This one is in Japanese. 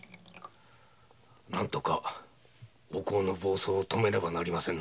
何とかお甲の暴走をとめねばなりませんな。